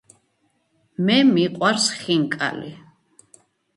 მე მიყვარს ხინკალი